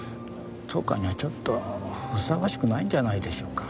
当館にはちょっとふさわしくないんじゃないでしょうか？